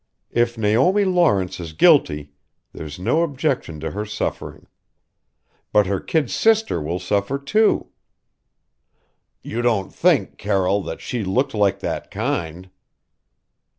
If Naomi Lawrence is guilty there's no objection to her suffering. But her kid sister will suffer too " "You don't think, Carroll that she looked like that kind?"